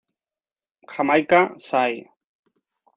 Jamaica, Sci.